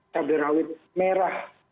cabai rawit merah